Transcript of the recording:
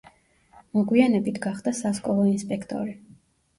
მოგვიანებით გახდა სასკოლო ინსპექტორი.